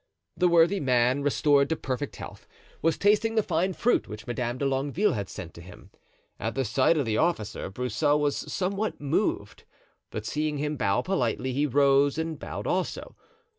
The worthy man, restored to perfect health, was tasting the fine fruit which Madame de Longueville had sent to him. At sight of the officer Broussel was somewhat moved, but seeing him bow politely he rose and bowed also.